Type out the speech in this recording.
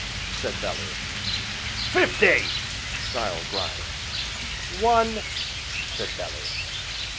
said Bellew. "Fifty!" snarled Grimes. "One!" said Bellew.